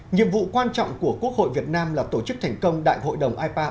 nhiệm vụ quan trọng của quốc hội việt nam là tổ chức thành công đại hội đồng ipa bốn mươi một